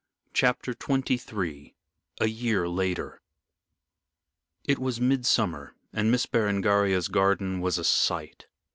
CHAPTER XXIII A YEAR LATER It was midsummer, and Miss Berengaria's garden was a sight.